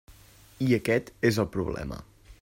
I aquest és el problema.